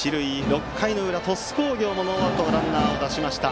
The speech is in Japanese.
６回の裏、鳥栖工業もノーアウトのランナーを出しました。